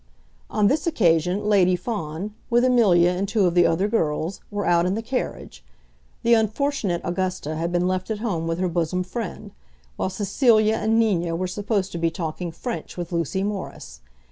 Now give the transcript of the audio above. On this occasion Lady Fawn, with Amelia and two of the other girls, were out in the carriage. The unfortunate Augusta had been left at home with her bosom friend; while Cecilia and Nina were supposed to be talking French with Lucy Morris.